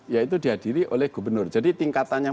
yaitu dihadiri oleh gubernur jadi tingkatannya